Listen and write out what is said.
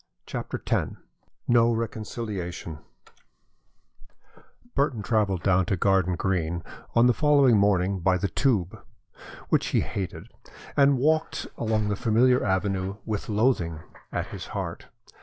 CHAPTER X NO RECONCILIATION Burton travelled down to Garden Green on the following morning by the Tube, which he hated, and walked along the familiar avenue with loathing at his heart.